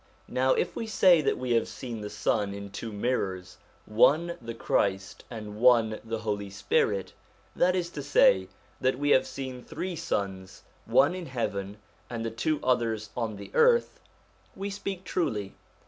Now if we say that we have seen the Sun in two mirrors one the Christ and one the Holy Spirit that is to say, that we have seen three Suns, one in heaven and the two others on the earth, we speak truly.